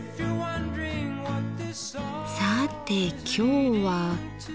さて今日は。